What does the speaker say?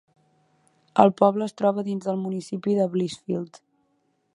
El poble es troba dins del municipi de Blissfield.